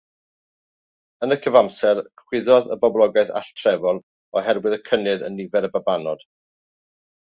Yn y cyfamser, chwyddodd y boblogaeth alltrefol oherwydd y cynnydd yn nifer y babanod.